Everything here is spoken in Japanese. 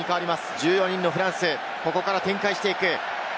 １４人のフランス、ここから展開していく。